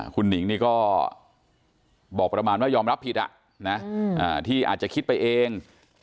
คุณหนิงนี่ก็บอกประมาณว่ายอมรับผิดที่อาจจะคิดไปเอง